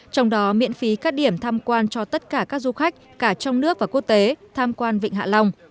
trong đó miễn phí các điểm tham quan cho tất cả các du khách cả trong nước và quốc tế tham quan vịnh hạ long